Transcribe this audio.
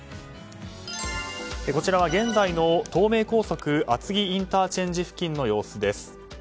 こちらは現在の東名高速厚木ＩＣ付近の様子です。